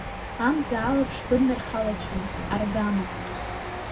Амза алаԥш быднархалацәон, аргама.